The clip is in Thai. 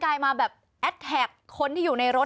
ลายมาแบบแอดแท็กคนที่อยู่ในรถ